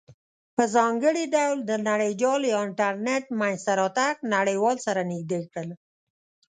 په ځانګړې ډول د نړیجال یا انټرنیټ مینځ ته راتګ نړیوال سره نزدې کړل.